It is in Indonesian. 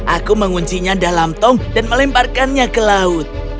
aku menguncinya dalam tong dan melemparkannya ke laut